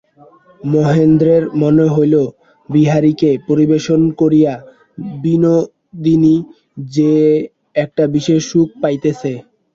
মহেন্দ্রের মনে হইল, বিহারীকে পরিবেশন করিয়া বিনোদিনী যেন একটা বিশেষ সুখ পাইতেছে।